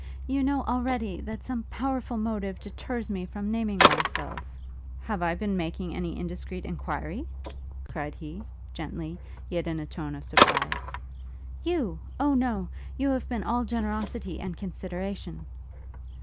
you know, already, that some powerful motive deters me from naming myself ' 'Have I been making any indiscreet enquiry?' cried he, gently, yet in a tone of surprise. 'You? O no! You have been all generosity and consideration!'